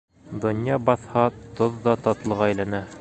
Донъя баҫһа, тоҙ ҙа татлыға әйләнә.